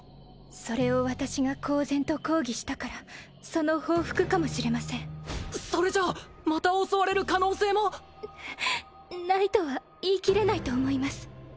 それを私が公然と抗議したからその報復かもしれませんそれじゃあまた襲われる可能性も？ないとは言い切れないと思います